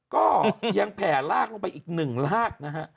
ก็ยังแผ่ลากลงไปอีก๑ลากนะฮะ